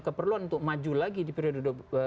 keperluan untuk maju lagi di periode